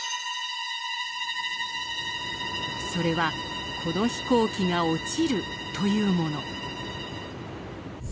それはこの飛行機が落ちるというもの。